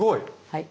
はい。